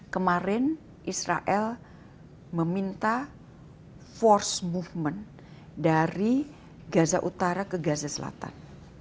kemarin israel meminta force movement dari gaza utara ke gaza selatan